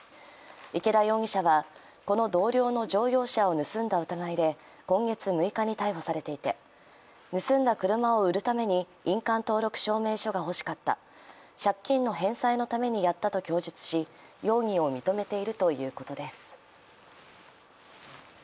池田容疑者はこの同僚の乗用車を盗んだ疑いで今月６日に逮捕されていて盗んだ車を売るために印鑑登録証明書が欲しかった、借金の返済のためにやったと供述し容疑を認めているということです。